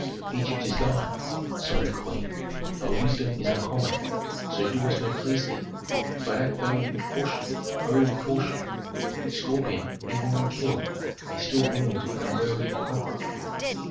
"Egypt is thine," sighed the queen. "Thy wisdom is uncommon, so do as may please thee. But act thou with caution oh, with caution! A scorpion even when killed may still wound an unwary conqueror."